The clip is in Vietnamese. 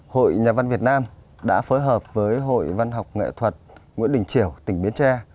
hội nhà văn việt nam đã phối hợp với hội văn học nghệ thuật nguyễn đình triều tỉnh biến tre